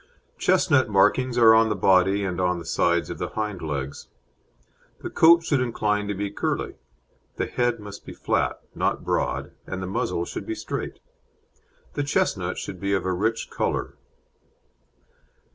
Chestnut markings are on the body and on the sides of the hind legs. The coat should incline to be curly; the head must be flat, not broad, and the muzzle should be straight. The chestnut should be of a rich colour.